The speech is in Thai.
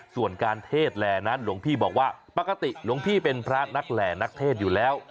ส่วนการเทศแหล่นั้นหลวงพี่บอกว่าปกติหลวงพี่เป็นพระนักแหล่นักเทศอยู่แล้ว